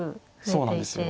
そうなんですよ。